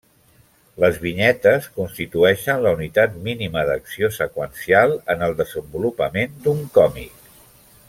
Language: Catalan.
Les vinyetes constitueixen la unitat mínima d'acció seqüencial en el desenvolupament d'un còmic.